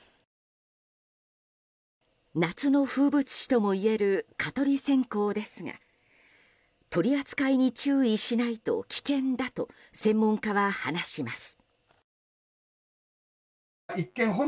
夏の風物詩ともいえる蚊取り線香ですが取り扱いに注意しないと危険だと専門家は話します。